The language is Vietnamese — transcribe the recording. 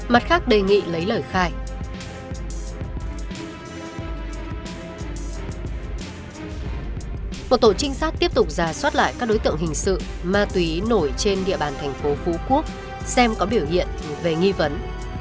một tổ trinh sát tiếp tục giả soát lại các đối tượng hình sự ma túy nổi trên địa bàn thành phố phú quốc xem có biểu hiện về nghi vấn